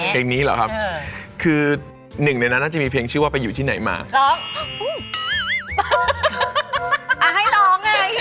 เพลงนี้อย่างเงี้ยในหนึ่งอาจจะมีเพลงชื่อว่าไปอยู่ที่ไหนว่าก็ให้ลองไง